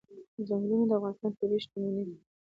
ځنګلونه د افغانستان طبعي شتمني ده.